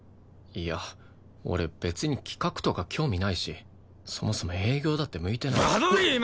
いや俺別に企画とか興味ないしそもそも営業だって向いてない。